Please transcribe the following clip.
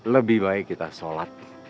lebih baik kita sholat